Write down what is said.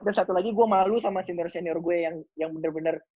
dan satu lagi gue malu sama senior senior gue yang bener bener